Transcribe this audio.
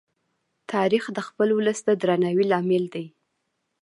تاریخ د خپل ولس د درناوي لامل دی.